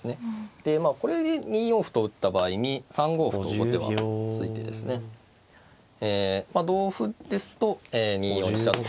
でまあこれで２四歩と打った場合に３五歩と後手は突いてですねえまあ同歩ですと２四飛車と。